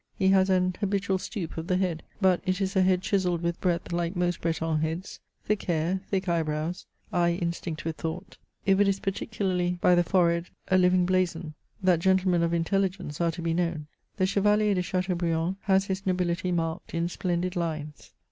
He has an habitual stoop of the head, but it is a head chiselled with breadth like most Breton heads, thick hair, thick eyebrows, eye instinct with thought. If it is particularly by Uie fore CHATEAUBRIAND. head, a living blazon, that gentlemen of intelligence are to be known* the GhevaUer de Chateaubriand has his nobility marked in splendid lines.